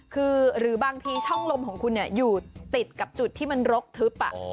คือหรือบางทีช่องลมของคุณอยู่ติดกับจุดที่มันรกทึบ